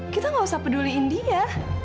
kita nggak usah peduliin dia